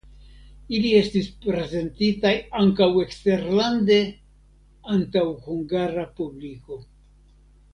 Ili estis prezentitaj ankaŭ eksterlande antaŭ hungara publiko.